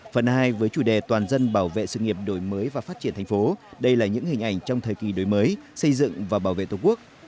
phần hai với chủ đề toàn dân bảo vệ sự nghiệp đổi mới và phát triển thành phố đây là những hình ảnh trong thời kỳ đổi mới xây dựng và bảo vệ tổ quốc